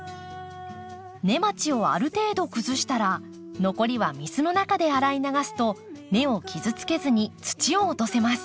根鉢をある程度崩したら残りは水の中で洗い流すと根を傷つけずに土を落とせます。